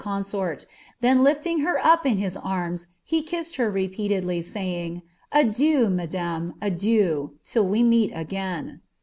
10 KtUc consorl, then lifting her up in his anns he kissed her rfpcalrdly, aayinj^. "Adieu, madame. adieu, till we meet again."